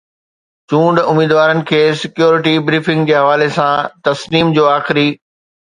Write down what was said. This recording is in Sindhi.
چونڊ اميدوارن کي سيڪيورٽي بريفنگ جي حوالي سان تسنيم جو آخري